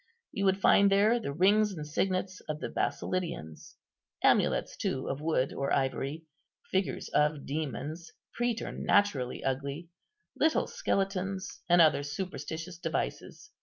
You would find there the rings and signets of the Basilidians; amulets too of wood or ivory: figures of demons, preternaturally ugly; little skeletons, and other superstitious devices.